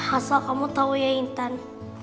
asal kamu tahu ya intan